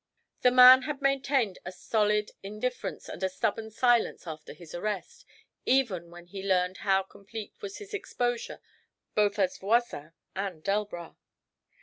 The man had maintained a stolid indifference and a stubborn silence after his arrest, even when he learned how complete was his exposure both as Voisin and Delbras.